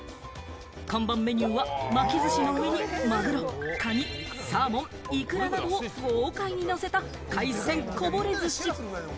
看板メニューは、巻き寿司の上にマグロ、カニ、サーモン、イクラなどを豪快にのせた、海鮮こぼれ寿司。